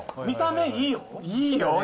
見た目いいよ。